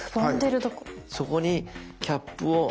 そこにキャップを。